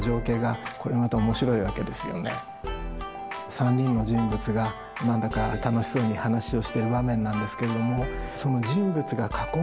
３人の人物が何だか楽しそうに話をしている場面なんですけれどもその人物が囲んでいる料理